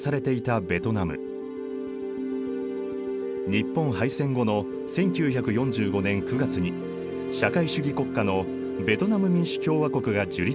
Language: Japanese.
日本敗戦後の１９４５年９月に社会主義国家のベトナム民主共和国が樹立された。